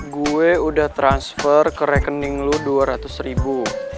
gue udah transfer ke rekening lo dua ratus ribu